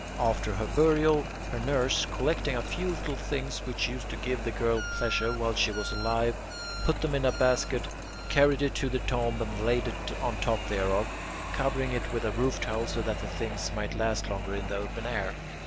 After her burial, her nurse, collecting a few little things which used to give the girl pleasure while she was alive, put them in a basket, carried it to the tomb, and laid it on top thereof, covering it with a roof tile so that the things might last longer in the open air.